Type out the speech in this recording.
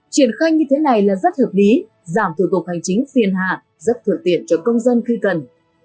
triển khai như thế này là rất hợp lý giảm thủ tục hành chính phiền hạ rất thuận tiện cho công dân khi cần